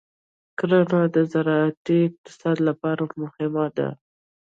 کرنه د زراعتي اقتصاد لپاره مهمه ده.